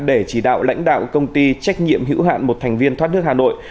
để chỉ đạo lãnh đạo công ty trách nhiệm hữu hạn một thành viên thoát nước hà nội